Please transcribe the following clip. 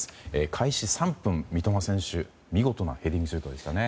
開始３分、三笘選手の見事なヘディングシュートでしたね。